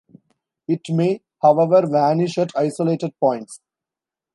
It may, however, vanish at isolated points.